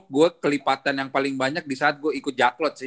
gue kelipatan yang paling banyak di saat gue ikut jacklot sih